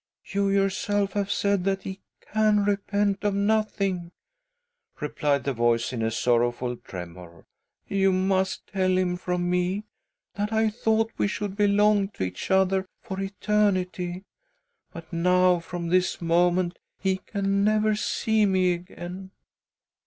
," You yourself have said that he can repent of nothing," replied the voice in a sorrowful tremor. ' You must tell him from me that I thought we .".*■*■. 132 THY SOUL SHALL BEAR WITNESS !• should belong to each other for eternity, but now from this moment he can never see me again."